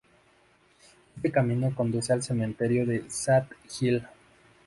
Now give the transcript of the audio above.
Este camino conduce al cementerio de Sad Hill.